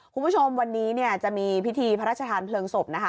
คุณผู้ชมวันนี้จะมีพิธีพระราชทางเผลิงสบ